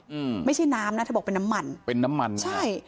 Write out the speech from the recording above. อืมไม่ใช่น้ำนะเธอบอกเป็นน้ำมันเป็นน้ำมันใช่